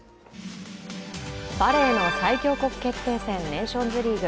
バレーの最強国決定戦ネーションズリーグ。